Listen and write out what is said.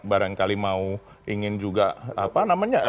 barangkali mau ingin juga apa namanya